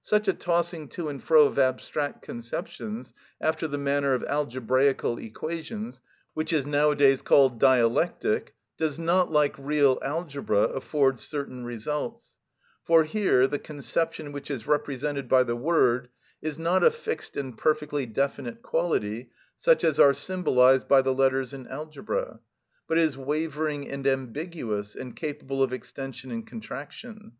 Such a tossing to and fro of abstract conceptions, after the manner of algebraical equations, which is now a days called dialectic, does not, like real algebra, afford certain results; for here the conception which is represented by the word is not a fixed and perfectly definite quality, such as are symbolised by the letters in algebra, but is wavering and ambiguous, and capable of extension and contraction.